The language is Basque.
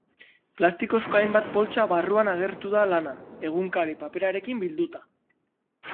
Plastikozko hainbat poltsa barruan agertu da lana, egunkari paperarekin bilduta.